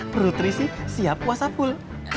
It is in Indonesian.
perut risi siap puasa full